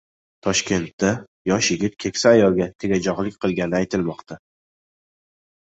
Toshkentda yosh yigit keksa ayolga tegajog‘lik qilgani aytilmoqda